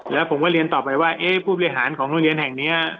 แล้วผมก็เรียนต่อไปว่าผู้บริหารของโรงเรียนแห่งนี้